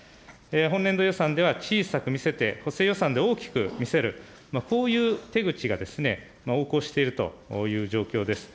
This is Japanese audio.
本年度予算では小さく見せて、補正予算で大きく見せる、こういう手口がですね、横行しているという状況です。